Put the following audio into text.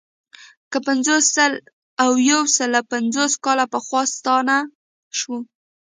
که پنځوس، سل او یو سلو پنځوس کاله پخوا ستانه شو.